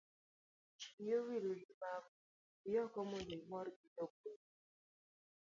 wiyi owil gi mago dhi oko mondo imorgi jogweng'